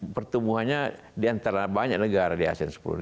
pertumbuhannya di antara banyak negara di asean sepuluh